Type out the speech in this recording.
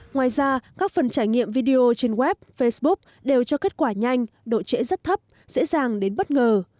ngoài ra các phần trải nghiệm video trên web facebook đều cho kết quả nhanh độ trễ rất thấp dễ dàng đến bất ngờ